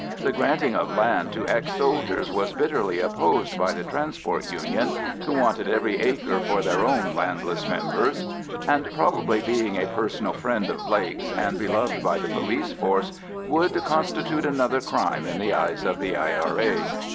The granting of land to ex soldiers was bitterly opposed by the Transport Union, who wanted every acre for their own landless members. And probably being a personal friend of Blake's and beloved by the police force, would constitute another crime in the eyes of the I.R.A.